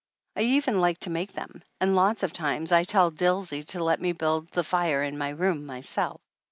I even like to make them, and lots of times I tell Dilsey to let me build the fire in my room myself.